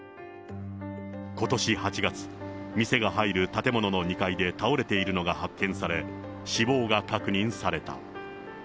ことし８月、店が入る建物の２階で倒れているのが発見され、死亡が確認された。